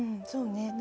そうね。